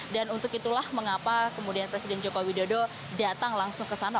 dan untuk itulah mengapa kemudian presiden joko widodo datang langsung ke sana